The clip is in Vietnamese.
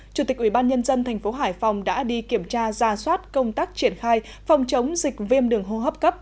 chủ tịch ubnd tp hải phòng đã đi kiểm tra ra soát công tác triển khai phòng chống dịch viêm đường hô hấp cấp